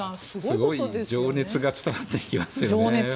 すごい情熱が伝わってきますよね